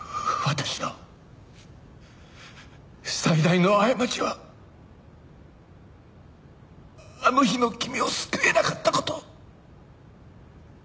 私の最大の過ちはあの日の君を救えなかった事。